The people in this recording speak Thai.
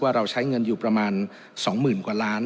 ว่าเราใช้เงินอยู่ประมาณสองหมื่นกว่าล้าน